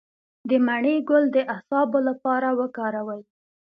د مڼې ګل د اعصابو لپاره وکاروئ